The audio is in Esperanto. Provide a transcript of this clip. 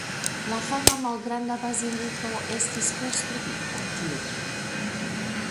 La fama malgranda baziliko estis konstruita tiutempe.